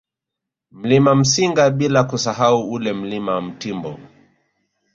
Mlima Msinga bila kusahau ule Mlima Mtimbo